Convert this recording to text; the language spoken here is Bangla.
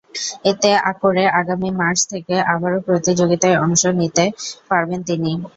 এতে করে আগামী মার্চ থেকে আবারও প্রতিযোগিতায় অংশ নিতে পারবেন তিনি।